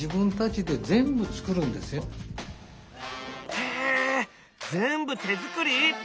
へえ全部手作り！